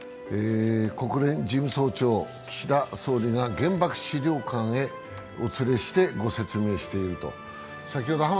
国連事務総長、岸田総理が原爆資料館へお連れしてご説明していると。